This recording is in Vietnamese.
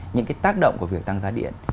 những cái tác động của việc tăng giá điện